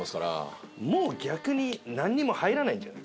もう逆になんにも入らないんじゃない？